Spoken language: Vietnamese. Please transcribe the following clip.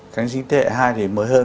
kháng sinh thế hệ hai thì mới hơn